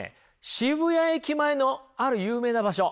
渋谷駅前のある有名な場所。